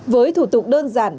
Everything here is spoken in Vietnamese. với thủ tục đơn giản